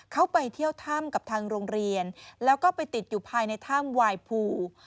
เขาไปเที่ยวถ้ำกับทางโรงเรียนแล้วก็ไปติดอยู่ภายในถ้ำวายภู